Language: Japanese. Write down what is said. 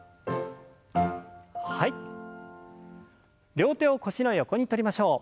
両手を腰の横にとりましょう。